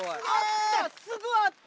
あった！